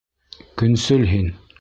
Көнсөл һин!